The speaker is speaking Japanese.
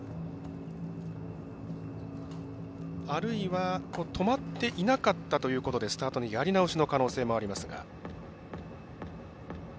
あるいは止まっていなかったということでスタートのやり直しの可能性がありますが。